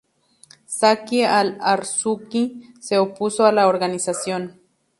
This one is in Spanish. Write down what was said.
Zaki Al-Arsuzi se opuso a la organización.